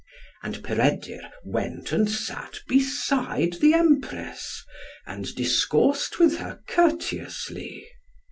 And Peredur went and sat beside the Empress, and discoursed with her courteously.